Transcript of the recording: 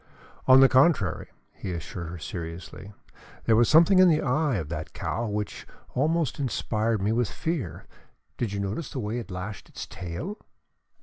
"On the contrary," he assured her seriously, "there was something in the eye of that cow which almost inspired me with fear. Did you notice the way it lashed its tail?"